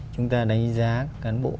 chúng ta đánh giá cán bộ